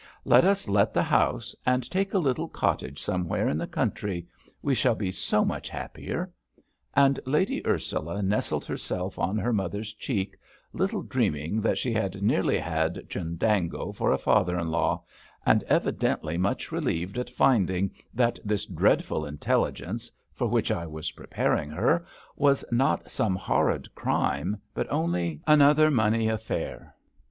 Let us let the house, and take a little cottage somewhere in the country, we shall be so much happier;" and Lady Ursula nestled herself on her mother's cheek, little dreaming that she had nearly had Chundango for a father in law, and evidently much relieved at finding that this dreadful intelligence, for which I was preparing her, was not some horrid crime, but only another money affair.